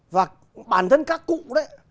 và bản thân các cụ đấy